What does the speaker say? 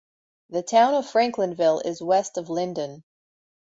The town of Franklinville is west of Lyndon.